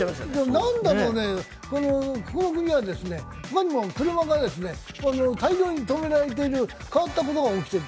何だろうね、他にも車が大量に止められていて変わったことが起きている。